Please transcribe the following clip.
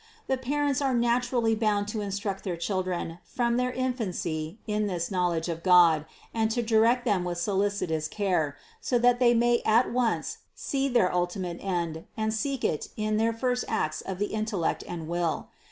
The parents are naturally bound to instruct their children from their infancy in this knowledge of God and to direct them with solicitous care, so that they may at once see their ultimate end and seek it in their first acts of the intellect and will.